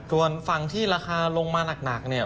ส่วนฝั่งที่ราคาลงมาหนักเนี่ย